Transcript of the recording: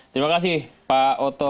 terima kasih pak oto